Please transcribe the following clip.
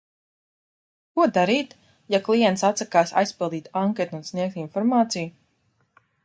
Ko darīt, ja klients atsakās aizpildīt anketu un sniegt informāciju?